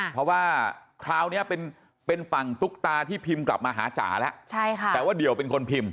เพราะว่าคราวนี้เป็นฝั่งตุ๊กตาที่พิมพ์กลับมาหาจ๋าแล้วแต่ว่าเดี่ยวเป็นคนพิมพ์